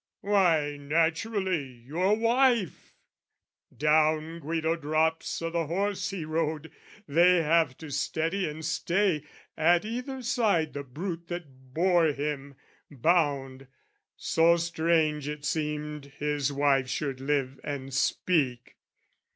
"Why, naturally your wife!" Down Guido drops O' the horse he rode, they have to steady and stay, At either side the brute that bore him, bound, So strange it seemed his wife should live and speak!